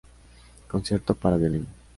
Concierto para violín